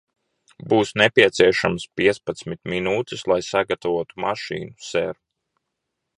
Būs nepieciešamas piecpadsmit minūtes, lai sagatavotu mašīnu, ser.